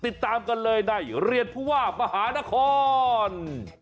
ติดตามกันเลยในเรียนผู้ว่ามหานคร